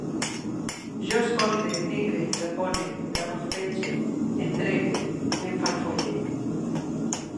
Jo escolte, emigre, grapone, garrofege, entregue, m'enfarfolle